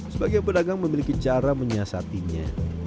sebagian pedagang memiliki cara menyiasatinya